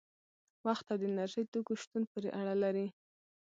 وخت او د انرژي توکو شتون پورې اړه لري.